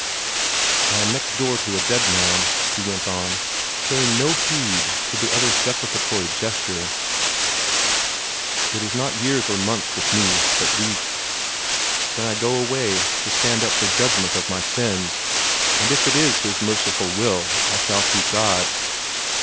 "I am next door to a dead man," he went on, paying no heed to the other's deprecatory gesture. "It is not years or months with me, but weeks. Then I go away to stand up for judgment on my sins, and if it is His merciful will, I shall see God.